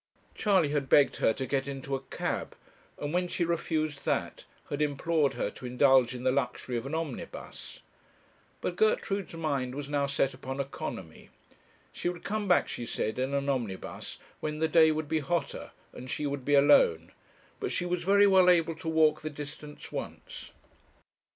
Charley had begged her to get into a cab, and when she refused that, had implored her to indulge in the luxury of an omnibus; but Gertrude's mind was now set upon economy; she would come back, she said, in an omnibus when the day would be hotter, and she would be alone, but she was very well able to walk the distance once.